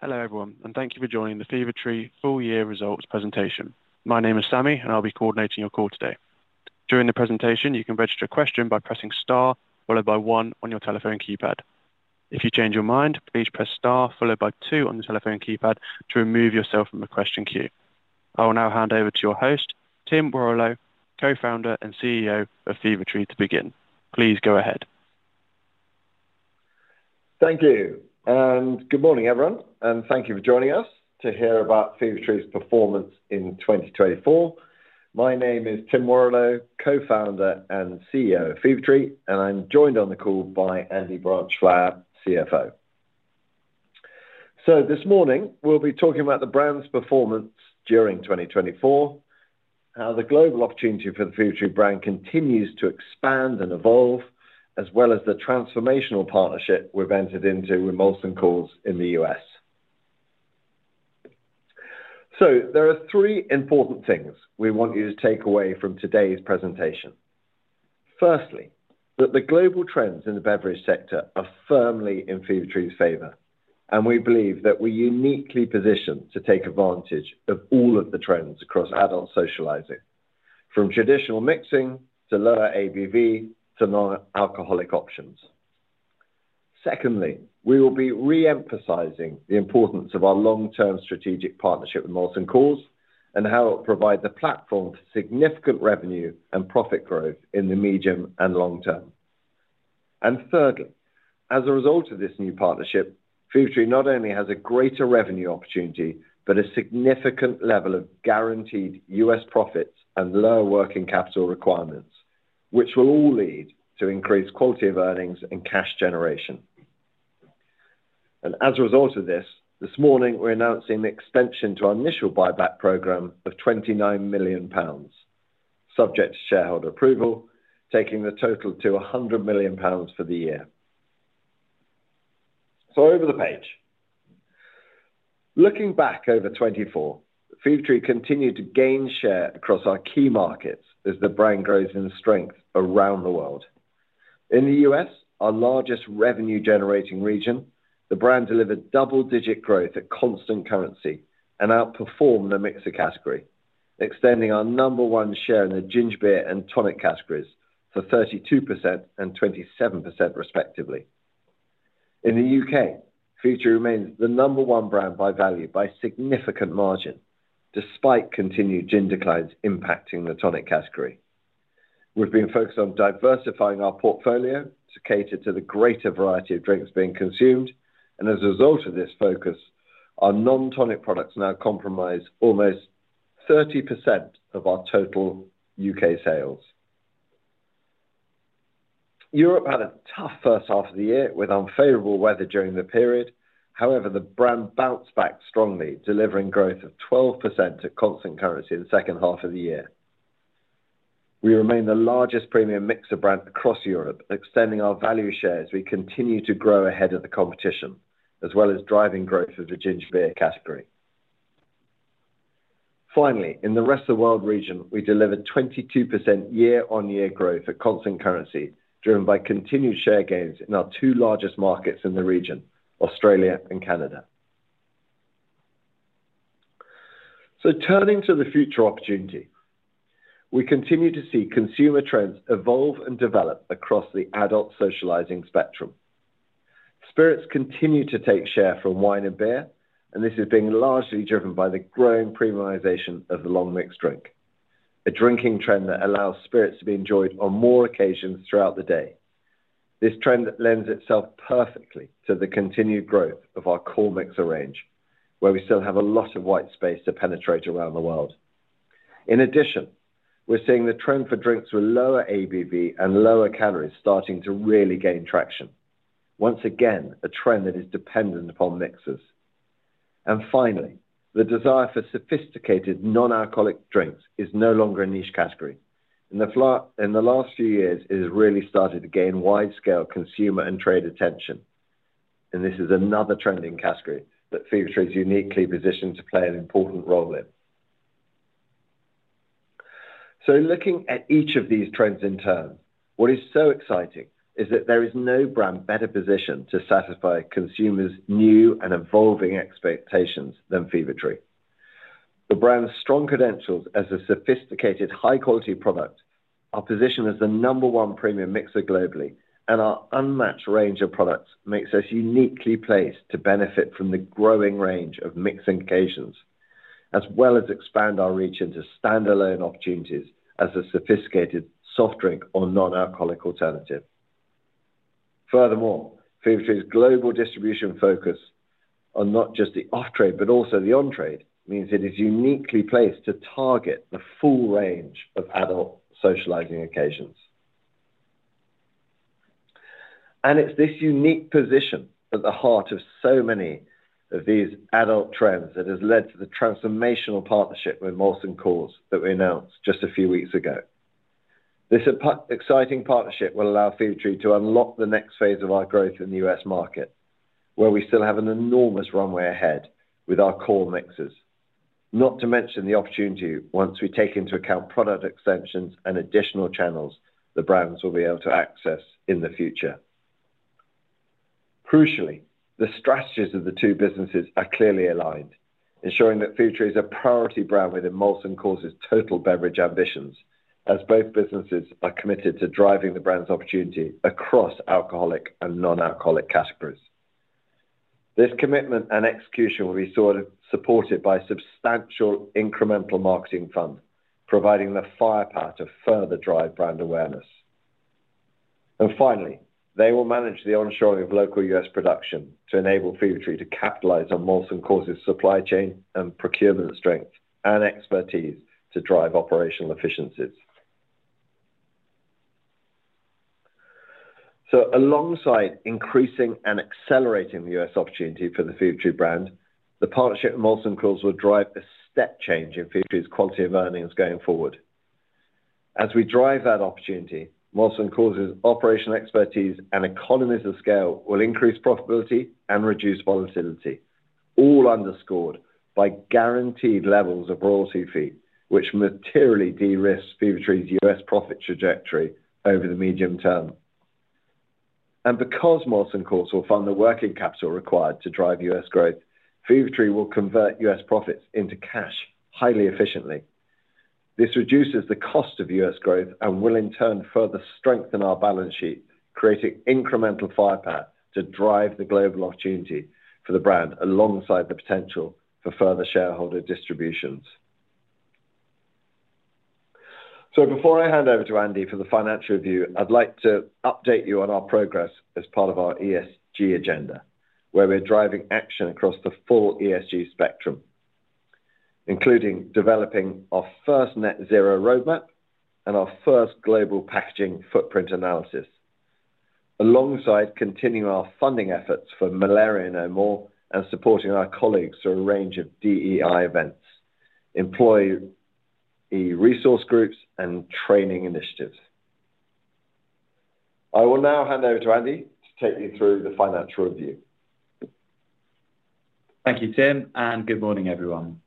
Hello everyone, and thank you for joining the Fever-Tree full-year results presentation. My name is Sammy, and I'll be coordinating your call today. During the presentation, you can register a question by pressing star followed by one on your telephone keypad. If you change your mind, please press star followed by two on the telephone keypad to remove yourself from the question queue. I will now hand over to your host, Tim Warrillow, co-founder and CEO of Fever-Tree to begin. Please go ahead. Thank you, and good morning everyone, and thank you for joining us to hear about Fever-Tree performance in 2024. My name is Tim Warrillow, co-founder and CEO of Fever-Tree, and I'm joined on the call by Andy Branchflower, CFO. This morning, we'll be talking about the brand's performance during 2024, how the global opportunity for the Fever-Tree brand continues to expand and evolve, as well as the transformational partnership we've entered into with Molson Coors in the U.S.. There are three important things we want you to take away from today's presentation. Firstly, that the global trends in the beverage sector are firmly in Fever-Tree favor, and we believe that we're uniquely positioned to take advantage of all of the trends across adult socializing, from traditional mixing to lower ABV to non-alcoholic options. Secondly, we will be re-emphasizing the importance of our long-term strategic partnership with Molson Coors and how it provides a platform for significant revenue and profit growth in the medium and long term. Thirdly, as a result of this new partnership, Fever-Tree not only has a greater revenue opportunity but a significant level of guaranteed U.S. profits and lower working capital requirements, which will all lead to increased quality of earnings and cash generation. As a result of this, this morning we're announcing the expansion to our initial buyback program of 29 million pounds subject to shareholder approval, taking the total to 100 million pounds for the year. Over the page. Looking back over 2024, Fever-Tree continued to gain share across our key markets as the brand grows in strength around the world. In the U.S., our largest revenue-generating region, the brand delivered double-digit growth at constant currency and outperformed the mixer category, extending our number one share in the ginger beer and tonic categories for 32% and 27% respectively. In the U.K., Fever-Tree remains the number one brand by value by significant margin, despite continued gin declines impacting the tonic category. We've been focused on diversifying our portfolio to cater to the greater variety of drinks being consumed, and as a result of this focus, our non-tonic products now comprise almost 30% of our total U.K. sales. Europe had a tough first half of the year with unfavorable weather during the period. However, the brand bounced back strongly, delivering growth of 12% at constant currency in the second half of the year. We remain the largest premium mixer brand across Europe, extending our value share as we continue to grow ahead of the competition, as well as driving growth of the ginger beer category. Finally, in the rest of the world region, we delivered 22% year-on-year growth at constant currency, driven by continued share gains in our two largest markets in the region, Australia and Canada. Turning to the future opportunity, we continue to see consumer trends evolve and develop across the adult socializing spectrum. Spirits continue to take share from wine and beer, and this is being largely driven by the growing premiumization of the long mix drink, a drinking trend that allows spirits to be enjoyed on more occasions throughout the day. This trend lends itself perfectly to the continued growth of our core mixer range, where we still have a lot of white space to penetrate around the world. In addition, we're seeing the trend for drinks with lower ABV and lower calories starting to really gain traction, once again a trend that is dependent upon mixers. Finally, the desire for sophisticated non-alcoholic drinks is no longer a niche category. In the last few years, it has really started to gain wide-scale consumer and trade attention, and this is another trending category that Fever-Tree is uniquely positioned to play an important role in. Looking at each of these trends in turn, what is so exciting is that there is no brand better positioned to satisfy consumers' new and evolving expectations than Fever-Tree. The brand's strong credentials as a sophisticated, high-quality product are positioned as the number one premium mixer globally, and our unmatched range of products makes us uniquely placed to benefit from the growing range of mixing occasions, as well as expand our reach into standalone opportunities as a sophisticated soft drink or non-alcoholic alternative. Furthermore, Fever-Tree's global distribution focus on not just the off-trade but also the on-trade means it is uniquely placed to target the full range of adult socializing occasions. It is this unique position at the heart of so many of these adult trends that has led to the transformational partnership with Molson Coors that we announced just a few weeks ago. This exciting partnership will allow Fever-Tree to unlock the next phase of our growth in the U.S. market, where we still have an enormous runway ahead with our core mixers, not to mention the opportunity once we take into account product extensions and additional channels the brands will be able to access in the future. Crucially, the strategies of the two businesses are clearly aligned, ensuring that Fever-Tree is a priority brand within Molson Coors' total beverage ambitions, as both businesses are committed to driving the brand's opportunity across alcoholic and non-alcoholic categories. This commitment and execution will be supported by a substantial incremental marketing fund, providing the firepower to further drive brand awareness. Finally, they will manage the onshoring of local US production to enable Fever-Tree to capitalize on Molson Coors' supply chain and procurement strength and expertise to drive operational efficiencies. Alongside increasing and accelerating the U.S. opportunity for the Fever-Tree brand, the partnership with Molson Coors will drive a step change in Fever-Tree's quality of earnings going forward. As we drive that opportunity, Molson Coors' operational expertise and economies of scale will increase profitability and reduce volatility, all underscored by guaranteed levels of royalty fee, which materially de-risk Fever-Tree U.S. profit trajectory over the medium term. Because Molson Coors will fund the working capital required to drive U.S. growth, Fever-Tree will convert U.S. profits into cash highly efficiently. This reduces the cost of U.S. growth and will in turn further strengthen our balance sheet, creating incremental firepower to drive the global opportunity for the brand alongside the potential for further shareholder distributions. Before I hand over to Andy for the financial review, I'd like to update you on our progress as part of our ESG agenda, where we're driving action across the full ESG spectrum, including developing our first net-zero roadmap and our first global packaging footprint analysis, alongside continuing our funding efforts for Malaria No More and supporting our colleagues through a range of DEI events, employee resource groups, and training initiatives. I will now hand over to Andy to take you through the financial review. Thank you, Tim, and good morning everyone.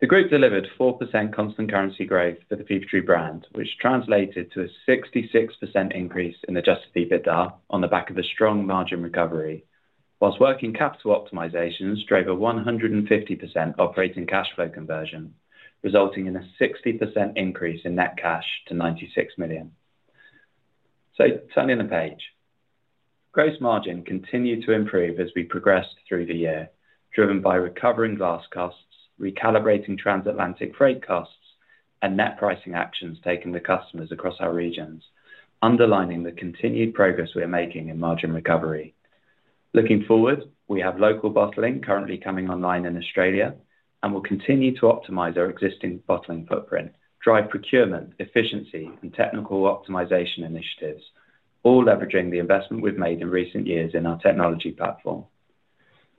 The group delivered 4% constant currency growth for the Fever-Tree brand, which translated to a 66% increase in Adjusted EBITDA on the back of a strong margin recovery, whilst working capital optimizations drove a 150% operating cash flow conversion, resulting in a 60% increase in net cash to 96 million. Turning the page. Gross margin continued to improve as we progressed through the year, driven by recovering glass costs, recalibrating transatlantic freight costs, and net pricing actions taken with customers across our regions, underlining the continued progress we are making in margin recovery. Looking forward, we have local bottling currently coming online in Australia, and we will continue to optimize our existing bottling footprint, drive procurement efficiency, and technical optimization initiatives, all leveraging the investment we have made in recent years in our technology platform.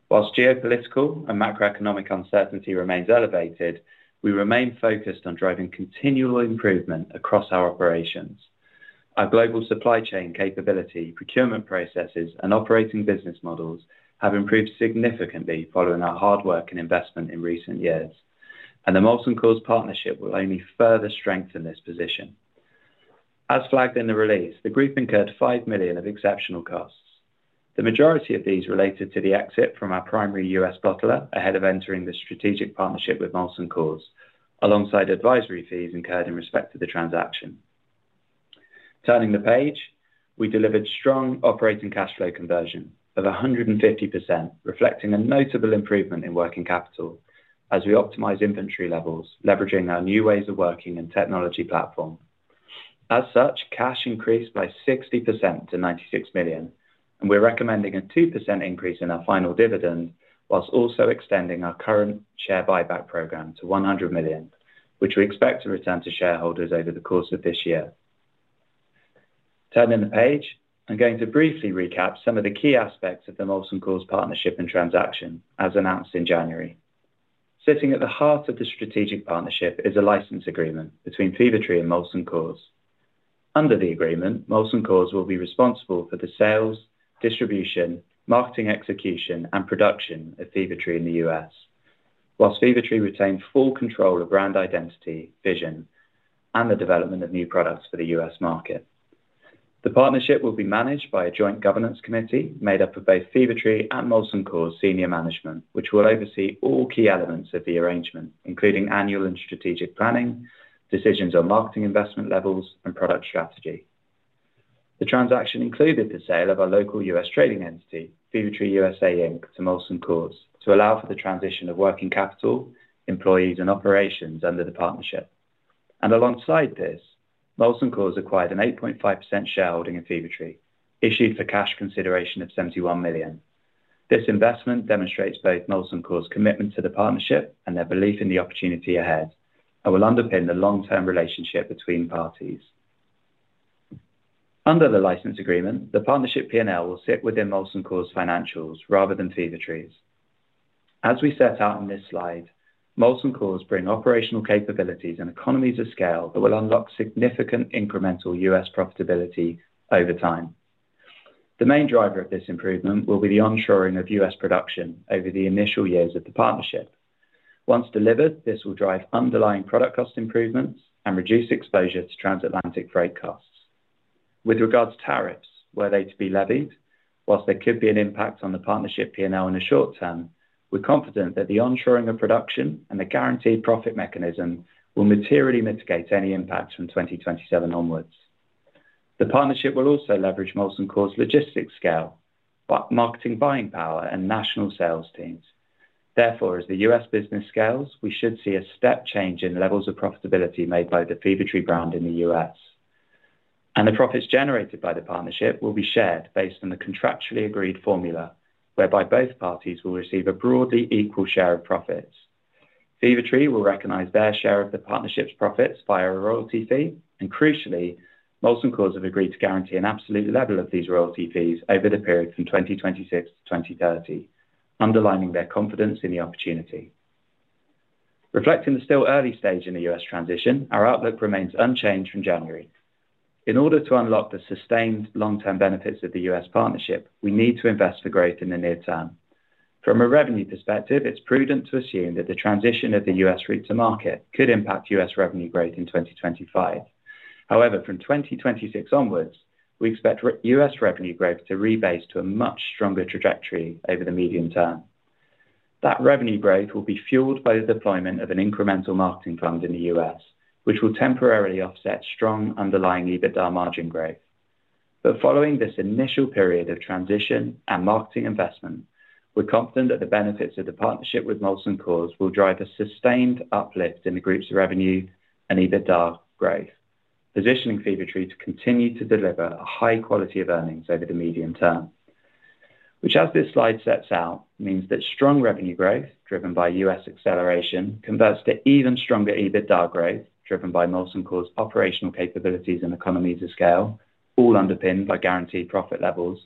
Whilst geopolitical and macroeconomic uncertainty remains elevated, we remain focused on driving continual improvement across our operations. Our global supply chain capability, procurement processes, and operating business models have improved significantly following our hard work and investment in recent years, and the Molson Coors partnership will only further strengthen this position. As flagged in the release, the group incurred 5 million of exceptional costs. The majority of these related to the exit from our primary U.S. bottler ahead of entering the strategic partnership with Molson Coors, alongside advisory fees incurred in respect of the transaction. Turning the page, we delivered strong operating cash flow conversion of 150%, reflecting a notable improvement in working capital as we optimize inventory levels, leveraging our new ways of working and technology platform. As such, cash increased by 60% to 96 million, and we're recommending a 2% increase in our final dividend, whilst also extending our current share buyback program to 100 million, which we expect to return to shareholders over the course of this year. Turning the page, I'm going to briefly recap some of the key aspects of the Molson Coors partnership and transaction, as announced in January. Sitting at the heart of the strategic partnership is a license agreement between Fever-Tree and Molson Coors. Under the agreement, Molson Coors will be responsible for the sales, distribution, marketing execution, and production of Fever-Tree in the U.S., whilst Fever-Tree retains full control of brand identity, vision, and the development of new products for the U.S. market. The partnership will be managed by a joint governance committee made up of both Fever-Tree and Molson Coors' senior management, which will oversee all key elements of the arrangement, including annual and strategic planning, decisions on marketing investment levels, and product strategy. The transaction included the sale of our local U.S. trading entity, Fever-Tree USA, to Molson Coors to allow for the transition of working capital, employees, and operations under the partnership. Alongside this, Molson Coors acquired an 8.5% shareholding of Fever-Tree, issued for cash consideration of 71 million. This investment demonstrates both Molson Coors' commitment to the partnership and their belief in the opportunity ahead, and will underpin the long-term relationship between parties. Under the license agreement, the partnership P&L will sit within Molson Coors' financials rather than Fever-Tree's. As we set out in this slide, Molson Coors bring operational capabilities and economies of scale that will unlock significant incremental U.S. profitability over time. The main driver of this improvement will be the onshoring of U.S. production over the initial years of the partnership. Once delivered, this will drive underlying product cost improvements and reduce exposure to transatlantic freight costs. With regards to tariffs, were they to be levied, whilst there could be an impact on the partnership P&L in the short term, we're confident that the onshoring of production and the guaranteed profit mechanism will materially mitigate any impact from 2027 onwards. The partnership will also leverage Molson Coors' logistics scale, marketing buying power, and national sales teams. Therefore, as the U.S. business scales, we should see a step change in levels of profitability made by the Fever-Tree brand in the U.S., and the profits generated by the partnership will be shared based on the contractually agreed formula whereby both parties will receive a broadly equal share of profits. Fever-Tree will recognize their share of the partnership's profits via a royalty fee, and crucially, Molson Coors have agreed to guarantee an absolute level of these royalty fees over the period from 2026 to 2030, underlining their confidence in the opportunity. Reflecting the still early stage in the U.S. transition, our outlook remains unchanged from January. In order to unlock the sustained long-term benefits of the U.S. partnership, we need to invest for growth in the near term. From a revenue perspective, it's prudent to assume that the transition of the U.S. route to market could impact U.S. revenue growth in 2025. However, from 2026 onwards, we expect U.S. revenue growth to rebase to a much stronger trajectory over the medium term. That revenue growth will be fueled by the deployment of an incremental marketing fund in the U.S., which will temporarily offset strong underlying EBITDA margin growth. Following this initial period of transition and marketing investment, we're confident that the benefits of the partnership with Molson Coors will drive a sustained uplift in the group's revenue and EBITDA growth, positioning Fever-Tree to continue to deliver a high quality of earnings over the medium term. Which, as this slide sets out, means that strong revenue growth driven by US acceleration converts to even stronger EBITDA growth driven by Molson Coors' operational capabilities and economies of scale, all underpinned by guaranteed profit levels,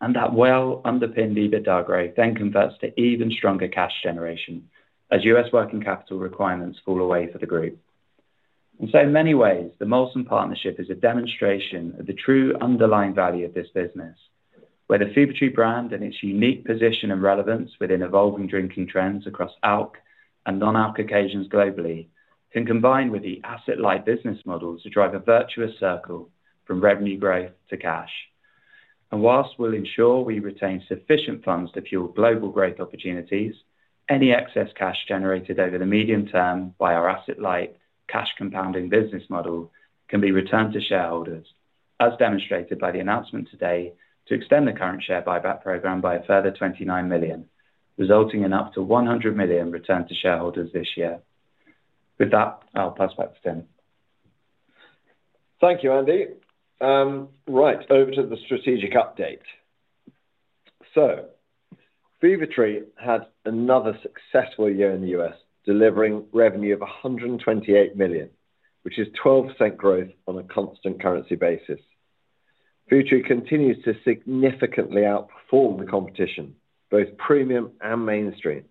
and that well-underpinned EBITDA growth then converts to even stronger cash generation as U.S. working capital requirements fall away for the group. In so many ways, the Molson partnership is a demonstration of the true underlying value of this business, where the Fever-Tree brand and its unique position and relevance within evolving drinking trends across alc and non-alc occasions globally can combine with the asset-light business model to drive a virtuous circle from revenue growth to cash. Whilst we will ensure we retain sufficient funds to fuel global growth opportunities, any excess cash generated over the medium term by our asset-light cash compounding business model can be returned to shareholders, as demonstrated by the announcement today to extend the current share buyback program by a further 29 million, resulting in up to 100 million returned to shareholders this year. With that, I will pass back to Tim. Thank you, Andy. Right, over to the strategic update. Fever-Tree had another successful year in the U.S., delivering revenue of 128 million, which is 12% growth on a constant currency basis. Fever-Tree continues to significantly outperform the competition, both premium and mainstream,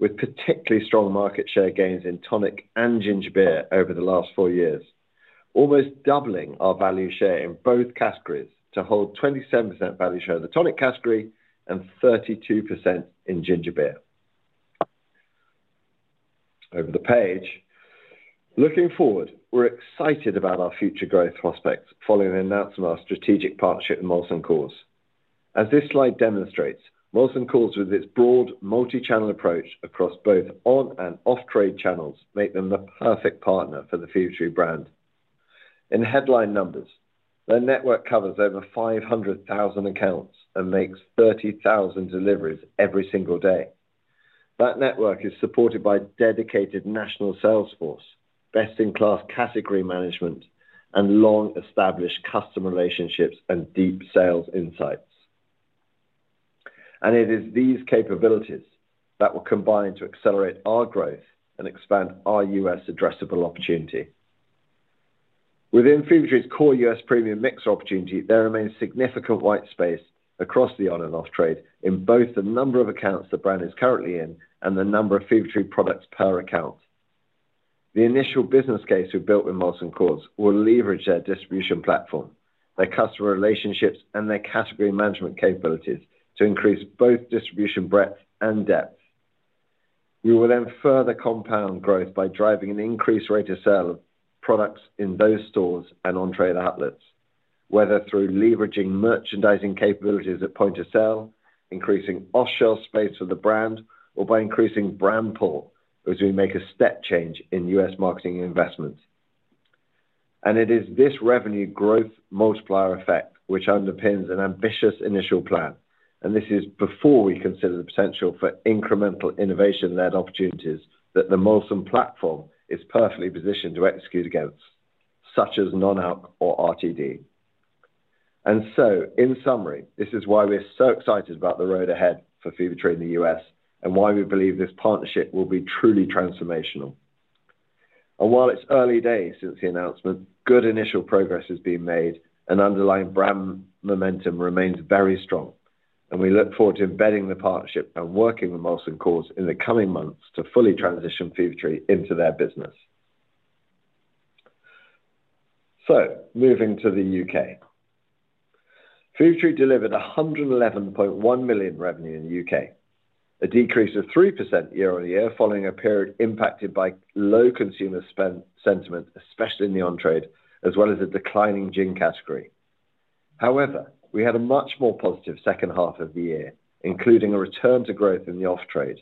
with particularly strong market share gains in tonic and ginger beer over the last four years, almost doubling our value share in both categories to hold 27% value share in the tonic category and 32% in ginger beer. Over the page. Looking forward, we are excited about our future growth prospects following the announcement of our strategic partnership with Molson Coors. As this slide demonstrates, Molson Coors, with its broad multi-channel approach across both on and off-trade channels, makes them the perfect partner for the Fever-Tree brand. In headline numbers, their network covers over 500,000 accounts and makes 30,000 deliveries every single day. That network is supported by dedicated national sales force, best-in-class category management, and long-established customer relationships and deep sales insights. It is these capabilities that will combine to accelerate our growth and expand our U.S. addressable opportunity. Within Fever-Tree's core U.S. premium mix opportunity, there remains significant white space across the on-and-off trade in both the number of accounts the brand is currently in and the number of Fever-Tree products per account. The initial business case we built with Molson Coors will leverage their distribution platform, their customer relationships, and their category management capabilities to increase both distribution breadth and depth. We will then further compound growth by driving an increased rate of sale of products in those stores and on-trade outlets, whether through leveraging merchandising capabilities at point of sale, increasing off-shelf space for the brand, or by increasing brand pull as we make a step change in U.S. marketing investments. It is this revenue growth multiplier effect which underpins an ambitious initial plan, and this is before we consider the potential for incremental innovation-led opportunities that the Molson Coors platform is perfectly positioned to execute against, such as non-alc or RTD. In summary, this is why we're so excited about the road ahead for Fever-Tree in the U.S. and why we believe this partnership will be truly transformational. While it is early days since the announcement, good initial progress is being made, and underlying brand momentum remains very strong. We look forward to embedding the partnership and working with Molson Coors in the coming months to fully transition Fever-Tree into their business. Moving to the U.K., Fever-Tree delivered 111.1 million revenue in the U.K., a decrease of 3% year-on-year following a period impacted by low consumer sentiment, especially in the on-trade, as well as a declining gin category. However, we had a much more positive second half of the year, including a return to growth in the off-trade,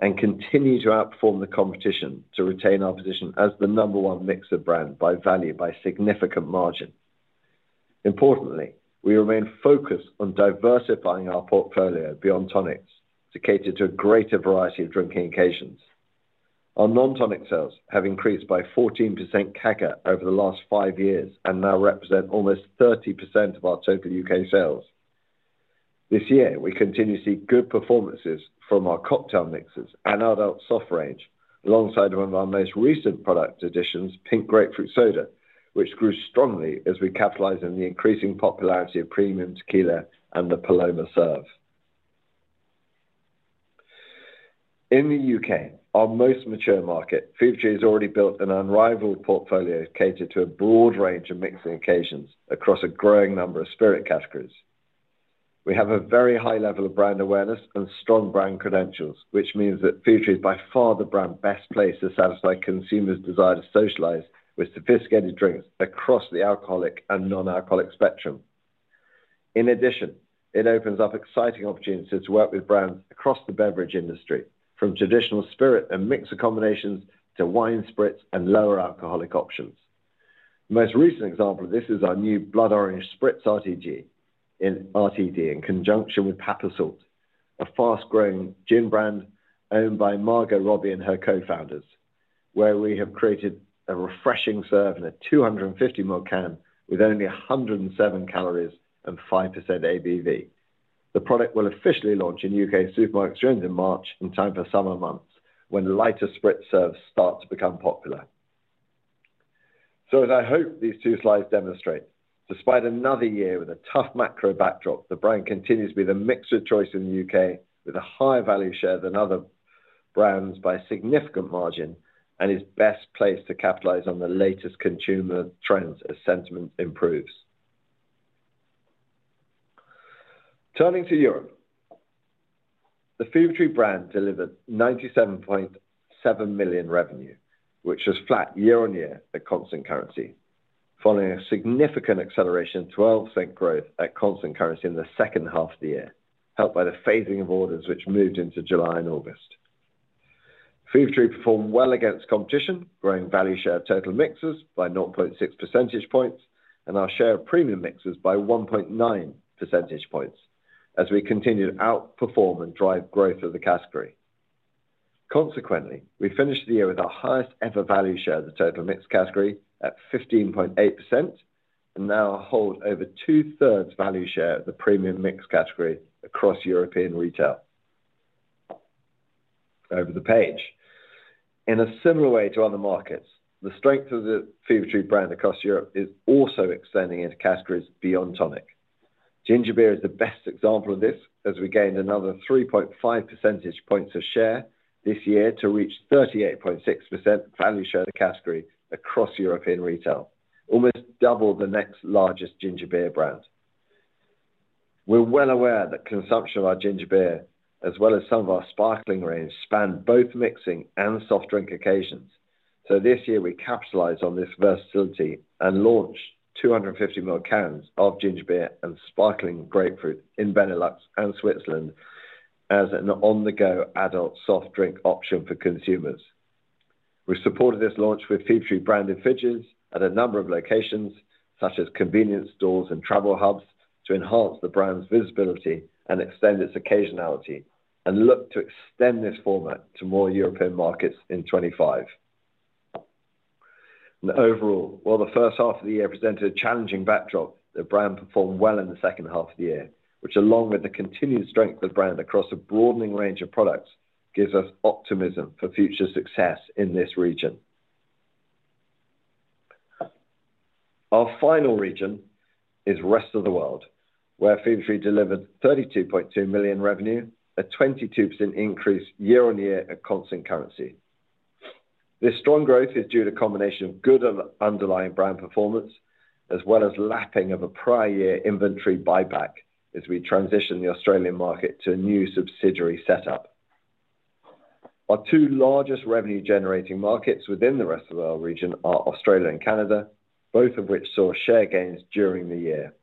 and continue to outperform the competition to retain our position as the number one mixer brand by value by a significant margin. Importantly, we remain focused on diversifying our portfolio beyond tonics to cater to a greater variety of drinking occasions. Our non-tonic sales have increased by 14% CAGR over the last five years and now represent almost 30% of our total U.K. sales. This year, we continue to see good performances from our cocktail mixes and our adult soft drinks range, alongside one of our most recent product additions, Pink Grapefruit Soda, which grew strongly as we capitalized on the increasing popularity of premium tequila and the Paloma serve. In the U.K., our most mature market, Fever-Tree has already built an unrivaled portfolio catered to a broad range of mixing occasions across a growing number of spirit categories. We have a very high level of brand awareness and strong brand credentials, which means that Fever-Tree is by far the brand best placed to satisfy consumers' desire to socialize with sophisticated drinks across the alcoholic and non-alcoholic spectrum. In addition, it opens up exciting opportunities to work with brands across the beverage industry, from traditional spirit and mixer combinations to wine spritz and lower alcoholic options. The most recent example of this is our new Blood Orange Spritz RTD in conjunction with Papa Salt, a fast-growing gin brand owned by Margot Robbie and her co-founders, where we have created a refreshing serve in a 250 ml can with only 107 calories and 5% ABV. The product will officially launch in U.K. supermarkets in March in time for summer months when lighter spritz serves start to become popular. As I hope these two slides demonstrate, despite another year with a tough macro backdrop, the brand continues to be the mixer choice in the U.K. with a higher value share than other brands by significant margin and is best placed to capitalize on the latest consumer trends as sentiment improves. Turning to Europe, the Fever-Tree brand delivered 97.7 million revenue, which was flat year-on-year at constant currency, following a significant acceleration of 12% growth at constant currency in the second half of the year, helped by the phasing of orders which moved into July and August. Fever-Tree performed well against competition, growing value share of total mixers by 0.6 percentage points and our share of premium mixers by 1.9 percentage points as we continued to outperform and drive growth of the category. Consequently, we finished the year with our highest ever value share of the total mix category at 15.8% and now hold over two-thirds value share of the premium mix category across European retail. Over the page. In a similar way to other markets, the strength of the Fever-Tree brand across Europe is also extending into categories beyond tonic. Ginger beer is the best example of this as we gained another 3.5 percentage points of share this year to reach 38.6% value share of the category across European retail, almost double the next largest ginger beer brand. We're well aware that consumption of our ginger beer, as well as some of our sparkling range, spanned both mixing and soft drink occasions, so this year we capitalized on this versatility and launched 250 ml cans of ginger beer and sparkling grapefruit in Benelux and Switzerland as an on-the-go adult soft drink option for consumers. We supported this launch with Fever-Tree branded fridges at a number of locations such as convenience stores and travel hubs to enhance the brand's visibility and extend its occasionality and look to extend this format to more European markets in 2025. Overall, while the first half of the year presented a challenging backdrop, the brand performed well in the second half of the year, which, along with the continued strength of the brand across a broadening range of products, gives us optimism for future success in this region. Our final region is Rest of the World, where Fever-Tree delivered 32.2 million revenue, a 22% increase year-on-year at constant currency. This strong growth is due to a combination of good underlying brand performance as well as lapping of a prior year inventory buyback as we transition the Australian market to a new subsidiary setup. Our two largest revenue-generating markets within the Rest of the World region are Australia and Canada, both of which saw share gains during the year.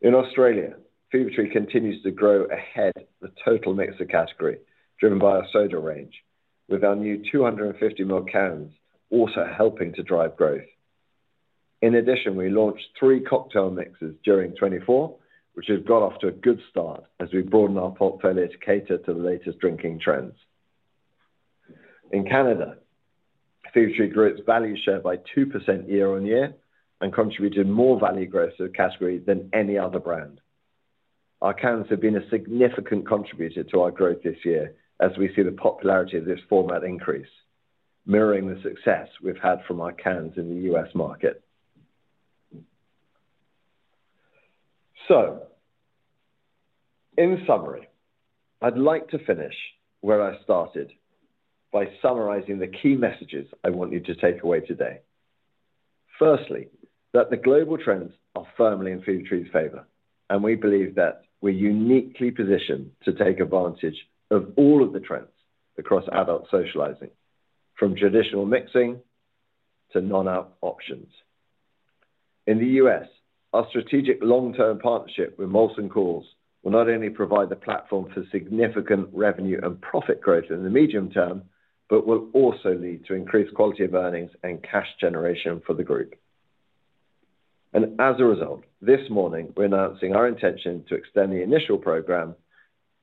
In Australia, Fever-Tree continues to grow ahead of the total mixer category, driven by our soda range, with our new 250 ml cans also helping to drive growth. In addition, we launched three cocktail mixes during 2024, which have got off to a good start as we broaden our portfolio to cater to the latest drinking trends. In Canada, Fever-Tree grew its value share by 2% year-on-year and contributed more value growth to the category than any other brand. Our cans have been a significant contributor to our growth this year as we see the popularity of this format increase, mirroring the success we've had from our cans in the U.S. market. In summary, I'd like to finish where I started by summarizing the key messages I want you to take away today. Firstly, that the global trends are firmly in Fever-Tree's favor, and we believe that we're uniquely positioned to take advantage of all of the trends across adult socializing, from traditional mixing to non-alc options. In the U.S., our strategic long-term partnership with Molson Coors will not only provide the platform for significant revenue and profit growth in the medium term, but will also lead to increased quality of earnings and cash generation for the group. As a result, this morning, we are announcing our intention to extend the initial program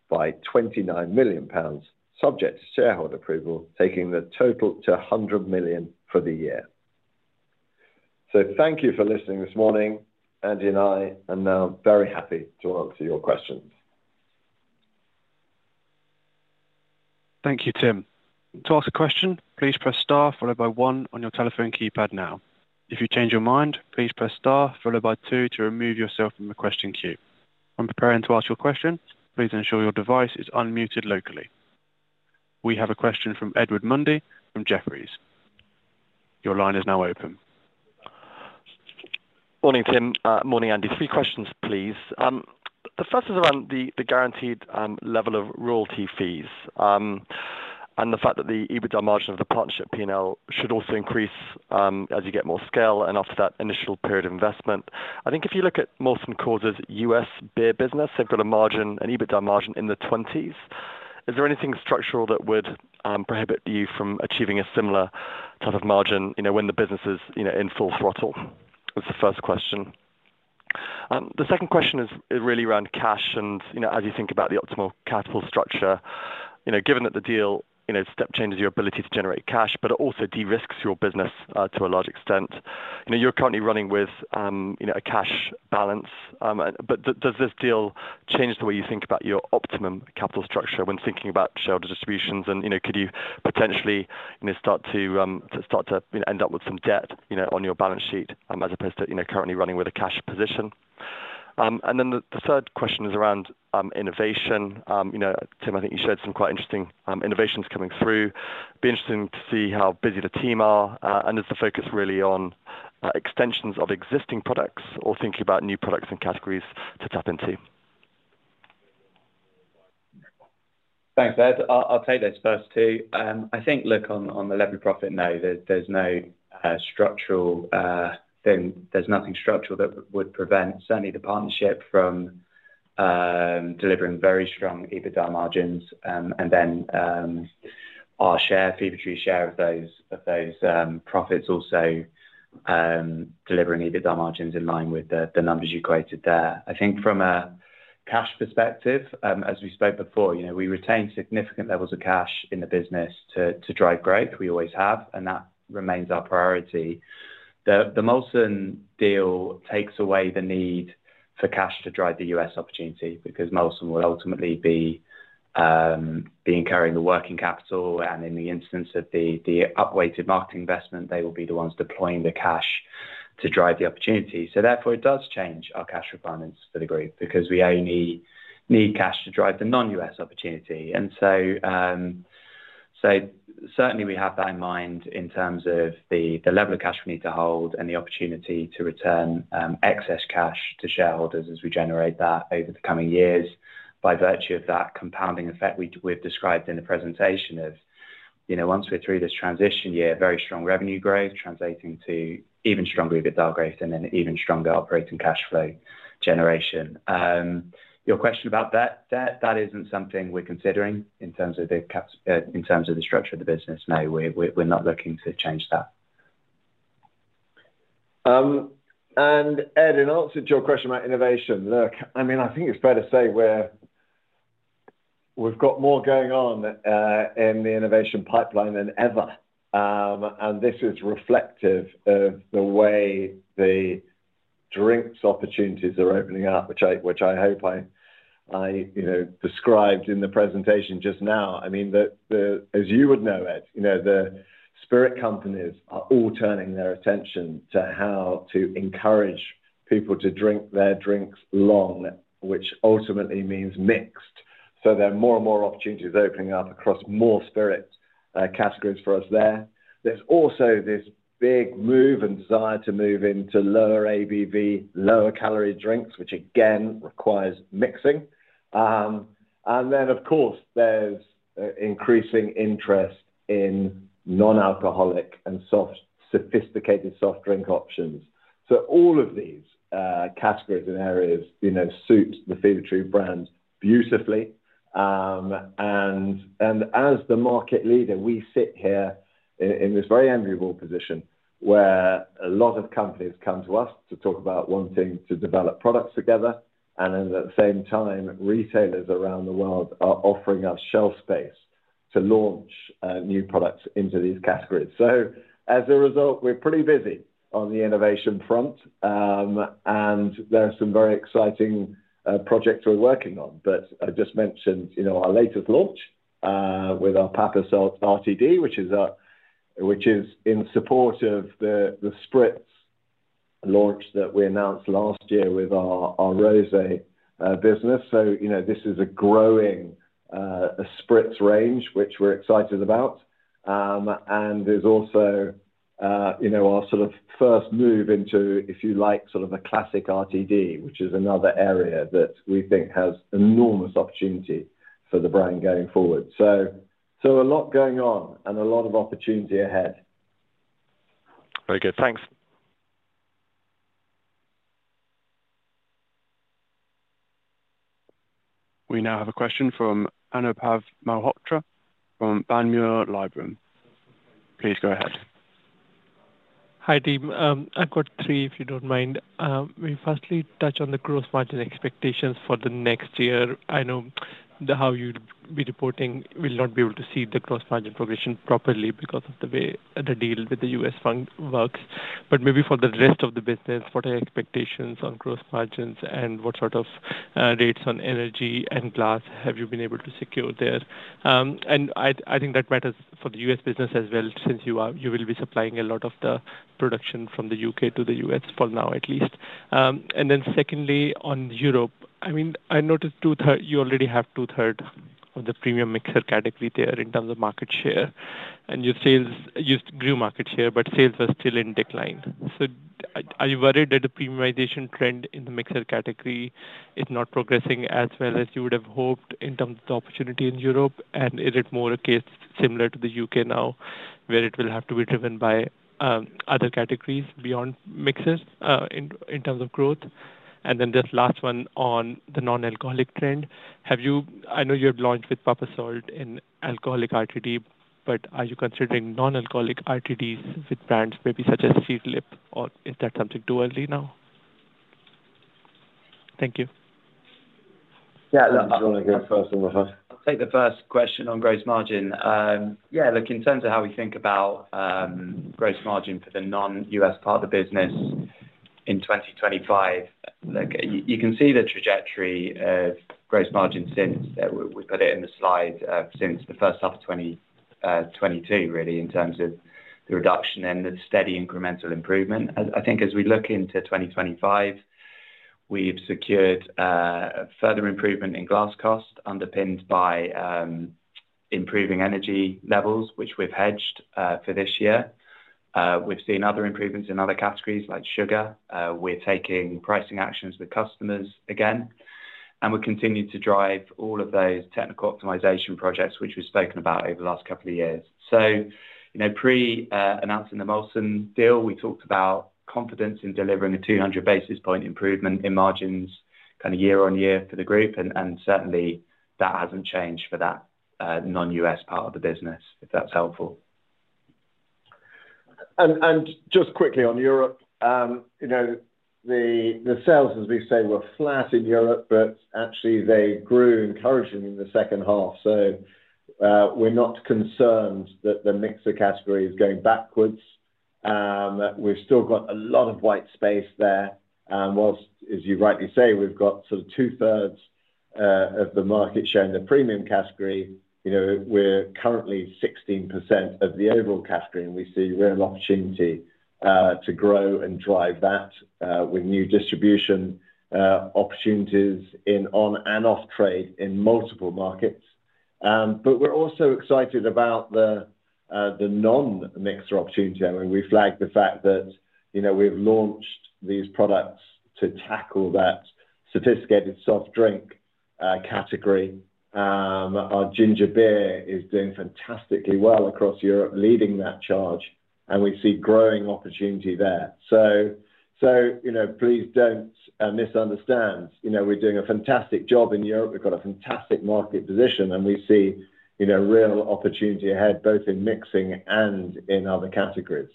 by 29 million pounds, subject to shareholder approval, taking the total to 100 million for the year. Thank you for listening this morning. Andy and I are now very happy to answer your questions. Thank you, Tim. To ask a question, please press star followed by one on your telephone keypad now. If you change your mind, please press star followed by two to remove yourself from the question queue. When preparing to ask your question, please ensure your device is unmuted locally. We have a question from Edward Mundy from Jefferies. Your line is now open. Morning, Tim. Morning, Andy. Three questions, please. The first is around the guaranteed level of royalty fees and the fact that the EBITDA margin of the partnership P&L should also increase as you get more scale and after that initial period of investment. I think if you look at Molson Coors' U.S. beer business, they've got an EBITDA margin in the 20s. Is there anything structural that would prohibit you from achieving a similar type of margin when the business is in full throttle? That's the first question. The second question is really around cash and as you think about the optimal capital structure, given that the deal step changes your ability to generate cash, but it also de-risks your business to a large extent. You're currently running with a cash balance, but does this deal change the way you think about your optimum capital structure when thinking about shareholder distributions? Could you potentially start to end up with some debt on your balance sheet as opposed to currently running with a cash position? The third question is around innovation. Tim, I think you shared some quite interesting innovations coming through. It'd be interesting to see how busy the team are. Is the focus really on extensions of existing products or thinking about new products and categories to tap into? Thanks, Ed. I'll take those first two. I think, look, on the levy profit note, there's no structural thing. There's nothing structural that would prevent, certainly, the partnership from delivering very strong EBITDA margins. Then our share, Fever-Tree share of those profits, also delivering EBITDA margins in line with the numbers you quoted there. I think from a cash perspective, as we spoke before, we retain significant levels of cash in the business to drive growth. We always have, and that remains our priority. The Molson deal takes away the need for cash to drive the U.S. opportunity because Molson will ultimately be carrying the working capital. In the instance of the upweighted market investment, they will be the ones deploying the cash to drive the opportunity. Therefore, it does change our cash requirements for the group because we only need cash to drive the non-U.S. opportunity. Certainly, we have that in mind in terms of the level of cash we need to hold and the opportunity to return excess cash to shareholders as we generate that over the coming years by virtue of that compounding effect we have described in the presentation of, once we are through this transition year, very strong revenue growth translating to even stronger EBITDA growth and then even stronger operating cash flow generation. Your question about debt, that is not something we are considering in terms of the structure of the business. No, we are not looking to change that. Ed, in answer to your question about innovation, look, I mean, I think it's fair to say we've got more going on in the innovation pipeline than ever. This is reflective of the way the drinks opportunities are opening up, which I hope I described in the presentation just now. I mean, as you would know, Ed, the spirit companies are all turning their attention to how to encourage people to drink their drinks long, which ultimately means mixed. There are more and more opportunities opening up across more spirit categories for us there. There is also this big move and desire to move into lower ABV, lower calorie drinks, which again requires mixing. Of course, there is increasing interest in non-alcoholic and sophisticated soft drink options. All of these categories and areas suit the Fever-Tree brand beautifully. As the market leader, we sit here in this very enviable position where a lot of companies come to us to talk about wanting to develop products together. At the same time, retailers around the world are offering us shelf space to launch new products into these categories. As a result, we're pretty busy on the innovation front. There are some very exciting projects we're working on. I just mentioned our latest launch with our Papa Salt RTD, which is in support of the spritz launch that we announced last year with our Rosé business. This is a growing spritz range, which we're excited about. There's also our sort of first move into, if you like, sort of a classic RTD, which is another area that we think has enormous opportunity for the brand going forward. A lot going on and a lot of opportunity ahead. Very good. Thanks. We now have a question from Anubhav Malhotra from Panmure Liberum. Please go ahead. Hi, Tim. I've got three, if you don't mind. We firstly touch on the gross margin expectations for the next year. I know how you'd be reporting will not be able to see the gross margin progression properly because of the way the deal with the U.S. fund works. Maybe for the rest of the business, what are your expectations on gross margins and what sort of rates on energy and glass have you been able to secure there? I think that matters for the U.S. business as well since you will be supplying a lot of the production from the U.K. to the U.S., for now at least. Secondly, on Europe, I mean, I noticed you already have two-thirds of the premium mixer category there in terms of market share. You grew market share, but sales were still in decline. Are you worried that the premiumization trend in the mixer category is not progressing as well as you would have hoped in terms of the opportunity in Europe? Is it more a case similar to the U.K. now where it will have to be driven by other categories beyond mixers in terms of growth? This last one on the non-alcoholic trend, I know you had launched with Papa Salt in alcoholic RTD, but are you considering non-alcoholic RTDs with brands maybe such as Seedlip, or is that something too early now? Thank you. Yeah. I'll take the first question on gross margin. Yeah, look, in terms of how we think about gross margin for the non-U.S. part of the business in 2025, look, you can see the trajectory of gross margin since we put it in the slide since the first half of 2022, really, in terms of the reduction and the steady incremental improvement. I think as we look into 2025, we've secured further improvement in glass costs underpinned by improving energy levels, which we've hedged for this year. We've seen other improvements in other categories like sugar. We're taking pricing actions with customers again. We're continuing to drive all of those technical optimization projects, which we've spoken about over the last couple of years. Pre-announcing the Molson Coors deal, we talked about confidence in delivering a 200 basis point improvement in margins kind of year-on-year for the group. That hasn't changed for that non-U.S. part of the business, if that's helpful. Just quickly on Europe, the sales, as we say, were flat in Europe, but actually, they grew encouragingly in the second half. We are not concerned that the mixer category is going backwards. We have still got a lot of white space there. Whilst, as you rightly say, we have got sort of two-thirds of the market share in the premium category, we are currently 16% of the overall category. We see real opportunity to grow and drive that with new distribution opportunities in on and off trade in multiple markets. We are also excited about the non-mixer opportunity. I mean, we flagged the fact that we have launched these products to tackle that sophisticated soft drink category. Our ginger beer is doing fantastically well across Europe, leading that charge. We see growing opportunity there. Please do not misunderstand. We are doing a fantastic job in Europe. We've got a fantastic market position. We see real opportunity ahead, both in mixing and in other categories.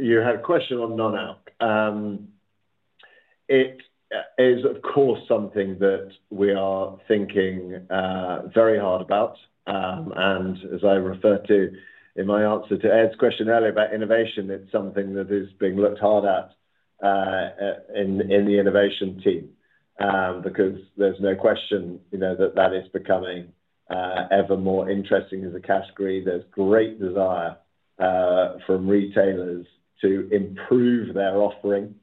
You had a question on non-alc. It is, of course, something that we are thinking very hard about. As I referred to in my answer to Ed's question earlier about innovation, it's something that is being looked hard at in the innovation team because there's no question that that is becoming ever more interesting as a category. There's great desire from retailers to improve their offering.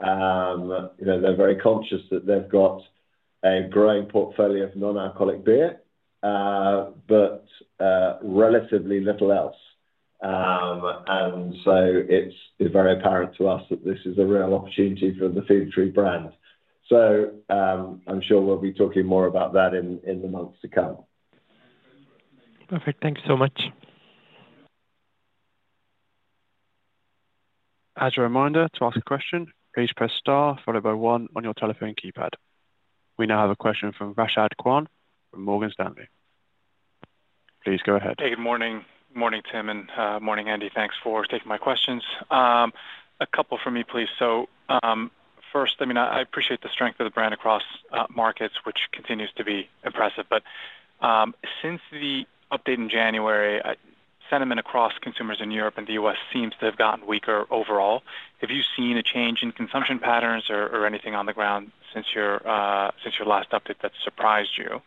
They're very conscious that they've got a growing portfolio of non-alcoholic beer, but relatively little else. It is very apparent to us that this is a real opportunity for the Fever-Tree brand. I'm sure we'll be talking more about that in the months to come. Perfect. Thank you so much. As a reminder to ask a question, please press star followed by one on your telephone keypad. We now have a question from Rashad Kawan from Morgan Stanley. Please go ahead. Hey, good morning. Morning, Tim, and morning, Andy. Thanks for taking my questions. A couple for me, please. First, I mean, I appreciate the strength of the brand across markets, which continues to be impressive. Since the update in January, sentiment across consumers in Europe and the U.S. seems to have gotten weaker overall. Have you seen a change in consumption patterns or anything on the ground since your last update that surprised you?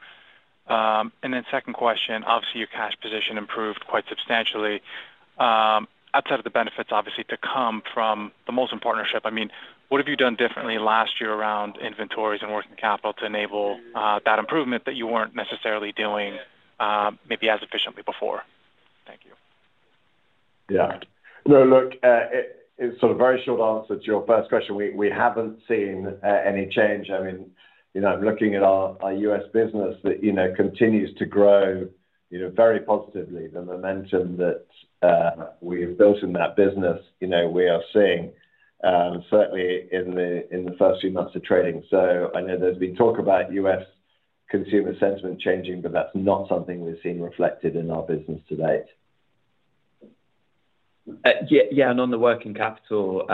Second question, obviously, your cash position improved quite substantially. Outside of the benefits, obviously, to come from the Molson partnership, I mean, what have you done differently last year around inventories and working capital to enable that improvement that you were not necessarily doing maybe as efficiently before? Thank you. Yeah. No, look, it's sort of a very short answer to your first question. We haven't seen any change. I mean, looking at our U.S. business that continues to grow very positively, the momentum that we have built in that business, we are seeing, certainly, in the first few months of trading. I know there's been talk about U.S. consumer sentiment changing, but that's not something we've seen reflected in our business to date. Yeah. On the working capital,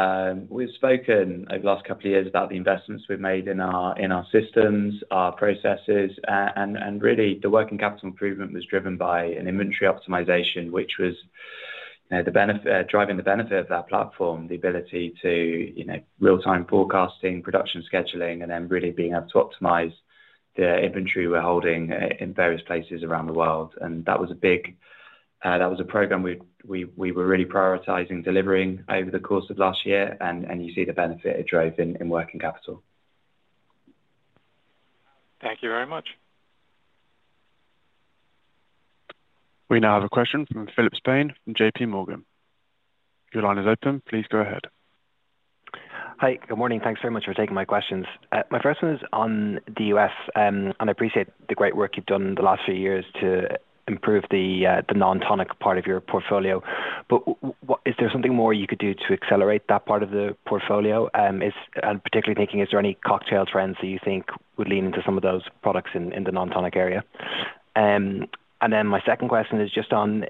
we've spoken over the last couple of years about the investments we've made in our systems, our processes. Really, the working capital improvement was driven by an inventory optimization, which was driving the benefit of that platform, the ability to real-time forecasting, production scheduling, and then really being able to optimize the inventory we're holding in various places around the world. That was a big program we were really prioritizing delivering over the course of last year. You see the benefit it drove in working capital. Thank you very much. We now have a question from Philip Spain from JPMorgan. Your line is open. Please go ahead. Hi. Good morning. Thanks very much for taking my questions. My first one is on the U.S. I appreciate the great work you've done the last few years to improve the non-tonic part of your portfolio. Is there something more you could do to accelerate that part of the portfolio? Particularly thinking, is there any cocktail trends that you think would lean into some of those products in the non-tonic area? My second question is just on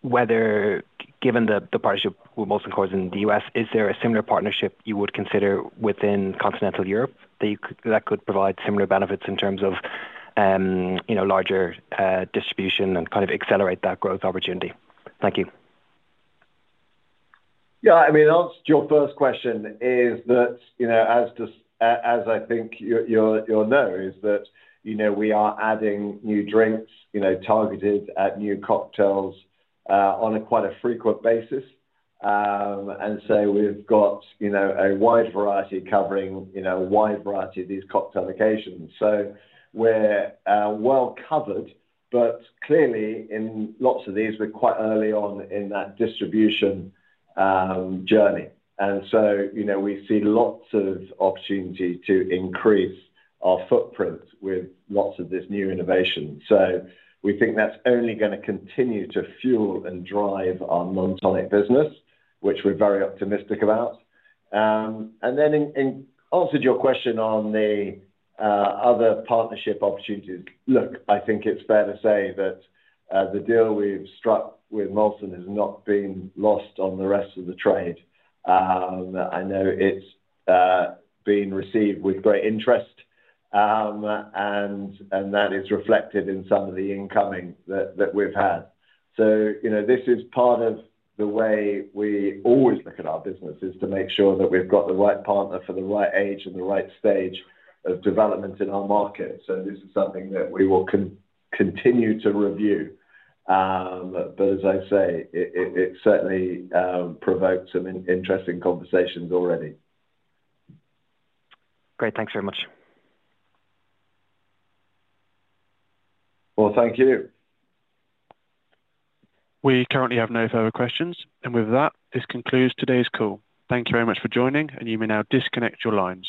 whether, given the partnership with Molson Coors in the U.S, is there a similar partnership you would consider within continental Europe that could provide similar benefits in terms of larger distribution and kind of accelerate that growth opportunity? Thank you. Yeah. I mean, answer to your first question is that, as I think you'll know, is that we are adding new drinks targeted at new cocktails on quite a frequent basis. We have got a wide variety covering a wide variety of these cocktail occasions. We are well covered. Clearly, in lots of these, we are quite early on in that distribution journey. We see lots of opportunity to increase our footprint with lots of this new innovation. We think that is only going to continue to fuel and drive our non-tonic business, which we are very optimistic about. In answer to your question on the other partnership opportunities, look, I think it is fair to say that the deal we have struck with Molson Coors has not been lost on the rest of the trade. I know it has been received with great interest. That is reflected in some of the incoming that we've had. This is part of the way we always look at our business, to make sure that we've got the right partner for the right age and the right stage of development in our market. This is something that we will continue to review. As I say, it certainly provokes some interesting conversations already. Great. Thanks very much. Thank you. We currently have no further questions. This concludes today's call. Thank you very much for joining. You may now disconnect your lines.